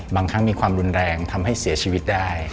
บางครั้งมีความรุนแรงทำให้เสียชีวิตได้